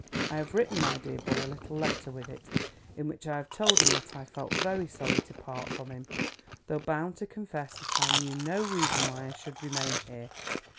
I have written my dear boy a little letter with it, in which I have told him that I felt very sorry to part from him, though bound to confess that I knew no reason why I should remain here.